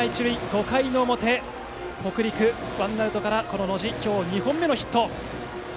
５回の表、北陸ワンアウトから、野路の今日２本目のヒット。